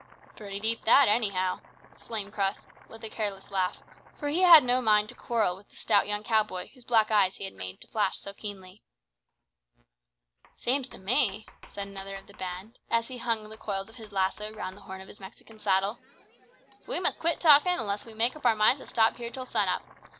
"Pretty deep that, anyhow!" exclaimed Crux, with a careless laugh, for he had no mind to quarrel with the stout young cow boy whose black eyes he had made to flash so keenly. "It seems to me," said another of the band, as he hung the coils of his lasso round the horn of his Mexican saddle, "that we must quit talkin' unless we make up our minds to stop here till sun up.